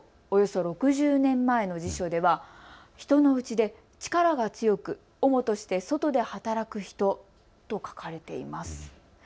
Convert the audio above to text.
およそ６０年前の辞書では人のうちで力が強く主として外で働く人と書かれています。